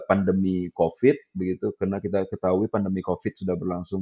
pandemi covid sembilan belas karena kita ketahui pandemi covid sembilan belas sudah berlangsung